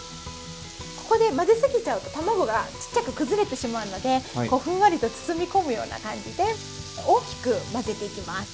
ここで混ぜ過ぎちゃうと卵がちっちゃく崩れてしまうのでこうふんわりと包み込むような感じで大きく混ぜていきます。